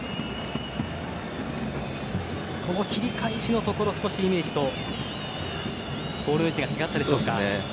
この切り返しのところ少し、イメージとボールの位置が違ったでしょうか。